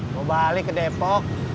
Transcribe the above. mau balik ke depok